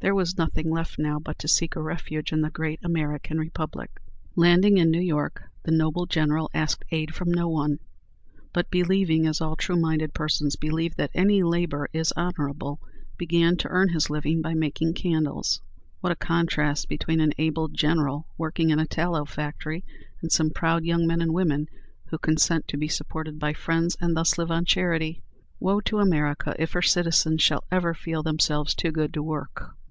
There was nothing left now but to seek a refuge in the great American Republic. Landing in New York, the noble General asked aid from no one, but believing, as all true minded persons believe, that any labor is honorable, began to earn his living by making candles. What a contrast between an able general working in a tallow factory, and some proud young men and women who consent to be supported by friends, and thus live on charity! Woe to America if her citizens shall ever feel themselves too good to work!